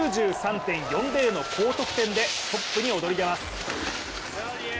９３．４０の高得点でトップに躍り出ます。